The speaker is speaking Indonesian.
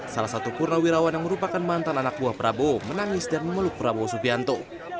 salah satu purnawirawan yang merupakan mantan anak buah prabowo menangis dan memeluk prabowo subianto